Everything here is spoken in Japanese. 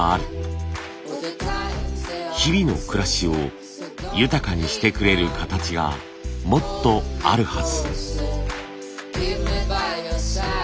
日々の暮らしを豊かにしてくれる形がもっとあるはず。